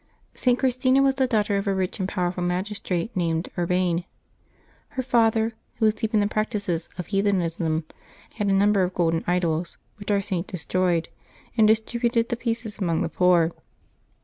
|T. Christina was the daughter of a rich and powerful magistrate named Urbain. Her father, who was deep in the practices of heathenism, had a number of golden idols, which our Saint destroyed, and distributed the pieces among the poor.